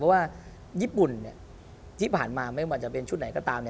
เพราะว่าญี่ปุ่นที่ผ่านมาไม่ว่าจะเป็นชุดไหนก็ตาม